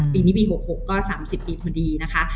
ปีนี้ปี๖๖ก็๓๐ปีพอดีนะคะ